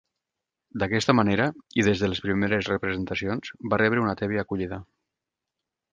D'aquesta manera, i des de les primeres representacions, va rebre una tèbia acollida.